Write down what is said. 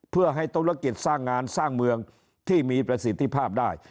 เพื่อให้ธุรกิจสร้างงานสร้างเมืองที่มีประสิทธิภาพได้